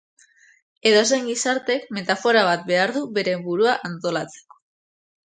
Edozein gizartek metafora bat behar du bere burua antolatzeko.